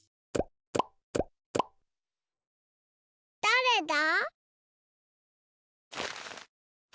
だれだ？